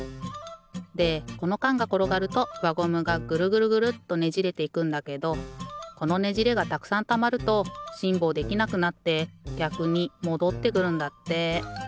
でこのかんがころがるとわゴムがぐるぐるぐるっとねじれていくんだけどこのねじれがたくさんたまるとしんぼうできなくなってぎゃくにもどってくるんだって。